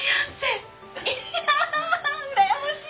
いやうらやましい！